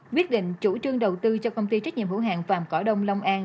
quyết định chủ trương đầu tư cho công ty trách nhiệm hữu hàng vàm cỏ đông long an